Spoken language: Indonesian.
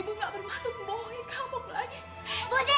ibu tidak bermaksud membohongi kamu pelangi